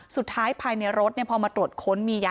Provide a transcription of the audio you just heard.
สุดท้ายภายในรถพอมาตรวจค้นมียา